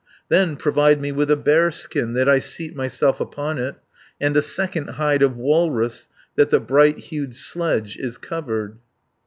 400 Then provide me with a bearskin, That I seat myself upon it, And a second hide of walrus, That the bright hued sledge is covered."